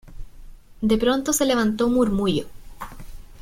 de pronto se levantó un murmullo: